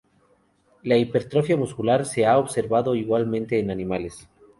La hipertrofia muscular se ha observado igualmente en animales.